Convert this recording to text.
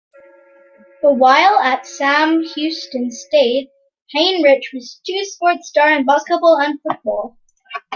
While at Sam Houston State, Heinrich was a two-sport star in basketball and football.